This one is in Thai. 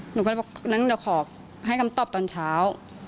หนูก็เลยบอกงั้นเดี๋ยวขอให้คำตอบตอนเช้า